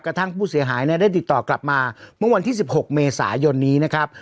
ทั้งผู้เสียหายได้ติดต่อกลับมาเมื่อวันที่๑๖เมษายนนี้นะครับ